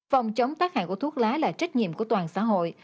phòng chống tác hại của thuốc lá là trách nhiệm của toàn xã hội